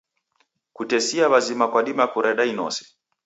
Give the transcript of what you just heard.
Kutesia w'azima kwadima kureda inose.